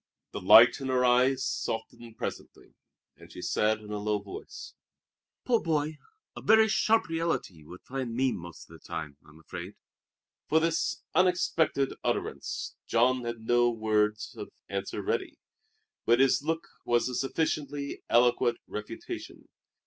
The light in her eyes softened presently, and she said in a low voice: "Poor boy, a very sharp reality you find me most of the time, I'm afraid." For this unexpected utterance Jean had no words of answer ready, but his look was a sufficiently eloquent refutation.